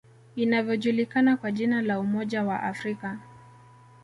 Inayojulikana kwa jina la Umoja wa Afrika